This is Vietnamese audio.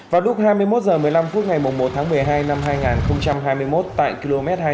vào lúc hai mươi một h một mươi năm phút ngày một tháng một mươi hai năm hai nghìn hai mươi một tại km hai mươi tám